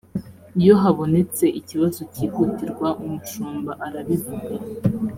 iyo habonetse ikibazo cyihutirwa umushumba arabivuga